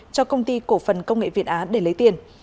cho công ty cổ phần công nghệ việt á để lấy tiền